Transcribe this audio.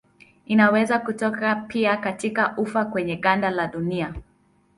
Inaweza kutoka pia katika ufa kwenye ganda la dunia.